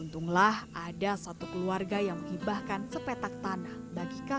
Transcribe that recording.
untunglah ada satu keluarga yang menghibahkan se main kolayih dan saling pengguna tiga ratus lima puluh warga k soil dispensasi